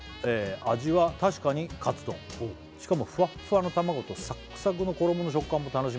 「味は確かにカツ丼」「しかもフワッフワの卵とサックサクの衣の食感も楽しめ」